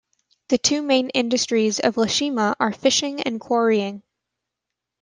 The two main industries of Ieshima are fishing and quarrying.